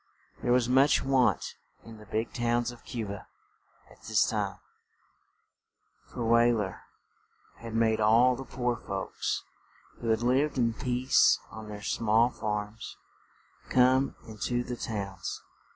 There was much want in the big towns of Cu ba at this time, for Wey ler had made all the poor folks, who had lived in peace on their small farms, come in to the towns.